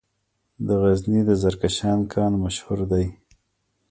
د غزني د زرکشان کان مشهور دی